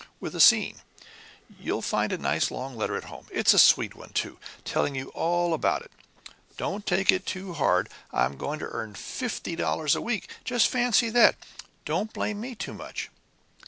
with a scene. You'll find a nice long letter at home it's a sweet one, too telling you all about it. Don't take it too hard! I am going to earn fifty dollars a week just fancy that and don't blame me too much!"